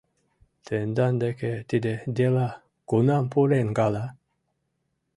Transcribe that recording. Тендан деке тиде дела кунам пурен гала?